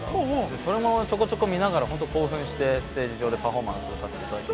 それもちょこちょこ見ながら興奮して、ステージ上でパフォーマンスさせていただきました。